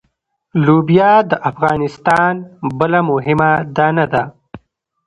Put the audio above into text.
لوبیا د افغانستان بله مهمه دانه ده.